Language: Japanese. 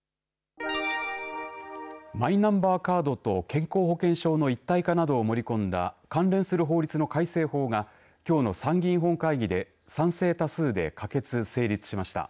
マイナンバーカードと健康保険証の一体化などを盛り込んだ関連する法律の改正法がきょうの参議院本会議で賛成多数で可決・成立しました。